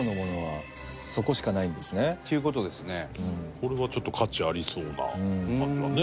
これはちょっと価値ありそうな感じはねします。